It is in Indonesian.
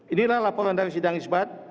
inilah laporan dari sidang isbat